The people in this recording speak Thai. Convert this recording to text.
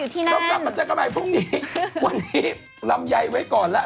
พี่เขาอาจจะเป็นแบบว่าเทรนเนอร์อยู่ที่นั่น